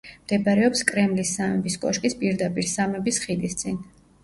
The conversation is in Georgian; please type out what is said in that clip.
მდებარეობს კრემლის სამების კოშკის პირდაპირ, სამების ხიდის წინ.